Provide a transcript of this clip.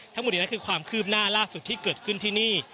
ทั้งหมดนี้คือความคืบหน้าล่าสุดที่เกิดขึ้นที่นี่